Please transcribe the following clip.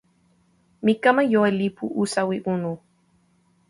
mi kama jo e lipu usawi unu.